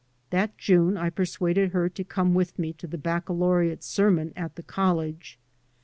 That June I persuaded her to come with me to the baccalaureate sermon at the college.